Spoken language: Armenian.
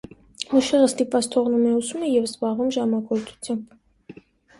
Մուշեղը ստիպված թողնում է ուսումը և զբաղվում ժամագործությամբ։